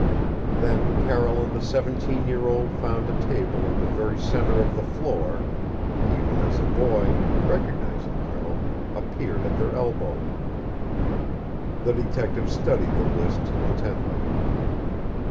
Then Carroll and the seventeen year old found a table in the very center of the floor, even as a boy, recognizing Carroll, appeared at their elbow. The detective studied the list intently.